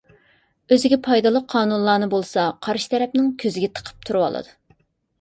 ئۆزىگە پايدىلىق قانۇنلارنى بولسا قارشى تەرەپنىڭ كۆزىگە تىقىپ تۇرۇۋالىدۇ.